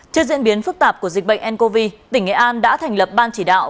trước diễn biến phức tạp của dịch bệnh ncov tỉnh nghệ an đã thành lập ban chỉ đạo